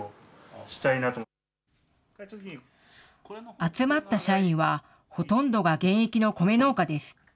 集まった社員は、ほとんどが現役の米農家です。